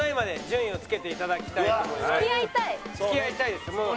「付き合いたい」です。